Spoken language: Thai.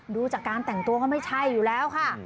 ดูจากการแต่งตัวก็ไม่ใช่อยู่แล้วค่ะ